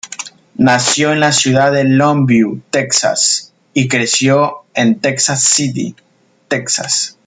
Nació en la ciudad de Longview, Texas, y creció en Texas City, Texas.